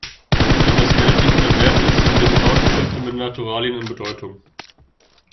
Wenn das Geld nichts mehr Wert ist, gewinnen Tauschgeschäfte mit Naturalien an Bedeutung.